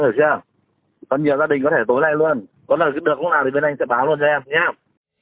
có lời được lúc nào thì bên anh sẽ báo luôn cho em